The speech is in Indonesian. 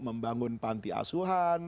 membangun panti asuhan